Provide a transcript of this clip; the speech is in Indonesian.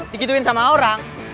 dikituin sama orang